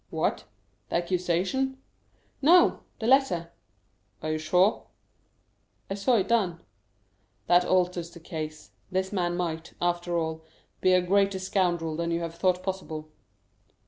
"What? the accusation?" "No; the letter." "Are you sure?" "I saw it done." "That alters the case. This man might, after all, be a greater scoundrel than you have thought possible."